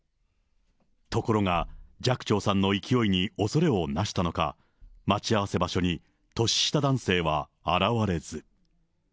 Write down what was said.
ところが、寂聴さんの勢いにおそれをなしたのか、待ち合わせ場所に年下男性は現れず。